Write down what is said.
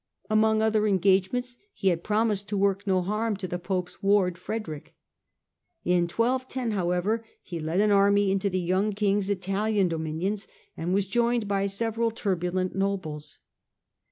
Among other engagements he had pro mised to work no harm to the Pope's ward, Frederick. In 1 2 10, however, he led an army into the young King's Italian dominions, and was joined by several turbulent nobles.